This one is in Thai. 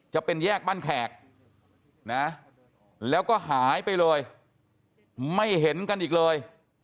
จะเป็นแยกบ้านแขกนะแล้วก็หายไปเลยไม่เห็นกันอีกเลย